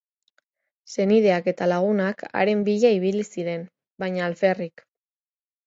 Senideak eta lagunak haren bila ibili ziren, baina alferrik.